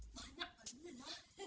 banyak banget ya nah